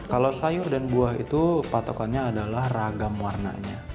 kalau sayur dan buah itu patokannya adalah ragam warnanya